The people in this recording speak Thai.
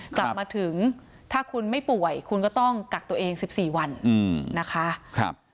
กลับมาถึงถ้าคุณไม่ป่วยคุณก็ต้องกักตัวเองสิบสี่วันอืมนะคะครับ